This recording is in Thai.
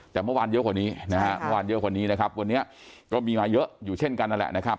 แต่เมื่อวานเยอะกว่านี้นะครับวันนี้ก็มีมาเยอะอยู่เช่นกันนั่นแหละนะครับ